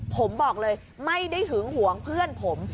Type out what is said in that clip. ผมบอกเลยไม่ได้หึงหวงเพื่อนผม